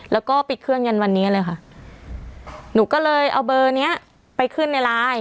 แล้วก็ปิดเครื่องยันวันนี้เลยค่ะหนูก็เลยเอาเบอร์เนี้ยไปขึ้นในไลน์